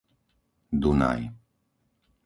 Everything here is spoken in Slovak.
Dunaj